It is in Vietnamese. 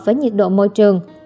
với nhiệt độ môi trường